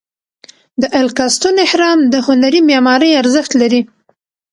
د الکاستون اهرام د هنري معمارۍ ارزښت لري.